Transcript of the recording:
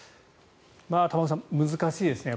玉川さん、難しいですね。